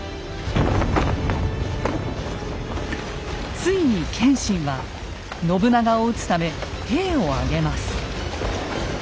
ついに謙信は信長を討つため兵を挙げます。